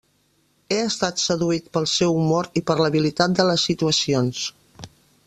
He estat seduït pel seu humor i per l'habilitat de les situacions.